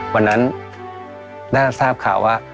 วันนั้นได้ทราบข่าวว่า